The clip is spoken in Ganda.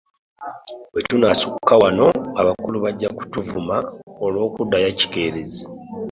Bwe tunnaasukka wano abakulu bajja kutuvuma olw'okuddayo ekikeerezi.